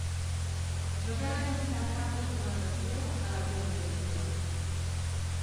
No cal adjuntar cap documentació a la comunicació.